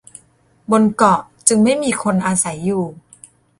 บนเกาะจึงไม่มีคนอาศัยอยู่